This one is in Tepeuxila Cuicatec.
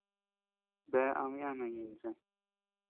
Bea ama yana ñeʼe iñsé.